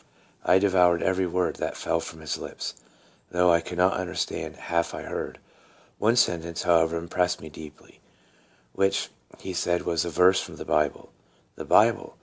I devoured every word that fell from his lips, though I could not understand half I heard. One sentence, however, impressed me deeply, which he said was a verse from the Bible. The Bible